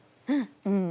うん！